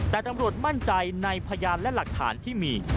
แต่ตำรวจมั่นใจในพยานและหลักฐานที่มี